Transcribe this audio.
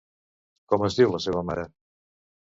Com es diu la seva mare?